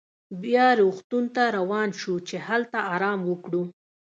بیا روغتون ته روان شوو چې هلته ارام وکړو.